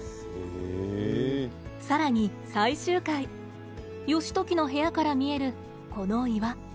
さらに最終回義時の部屋から見える、この岩。